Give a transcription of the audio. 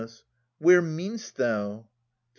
Where mean'st thou? Phi.